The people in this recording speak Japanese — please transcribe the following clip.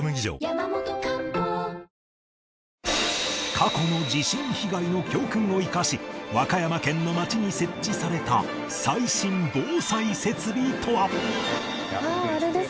過去の地震被害の教訓を生かし和歌山県の町に設置された最新防災設備とは？